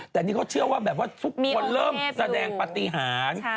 แต่นี่เขาเชื่อว่าแบบว่าทุกคนเริ่มแสดงปฏิหาร